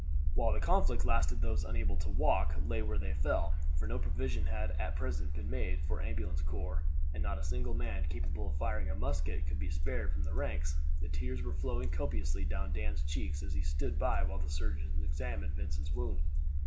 While the conflict lasted those unable to walk lay where they fell, for no provision had at present been made for ambulance corps, and not a single man capable of firing a musket could be spared from the ranks. The tears were flowing copiously down Dan's cheeks as he stood by while the surgeons examined Vincent's wound.